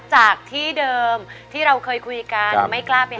จากที่เดิมที่เราเคยคุยกันไม่กล้าไป